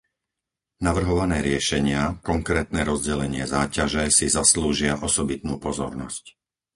Navrhované riešenia, konkrétne rozdelenie záťaže, si zaslúžia osobitnú pozornosť.